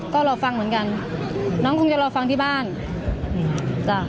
ก็รอฟังเหมือนกันน้องคงจะรอฟังที่บ้านจ้ะ